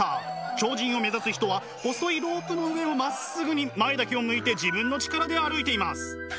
超人を目指す人は細いロープの上をまっすぐに前だけを向いて自分の力で歩いています。